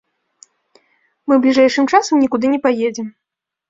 Мы бліжэйшым часам нікуды не паедзем.